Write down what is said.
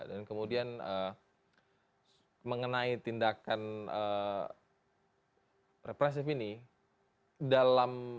dan kemudian mengenai tindakan represif ini dalam